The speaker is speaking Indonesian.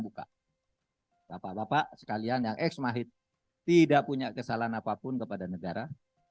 bapak bapak sekalian yang eks mahit tidak punya kesalahan apapun kepada negara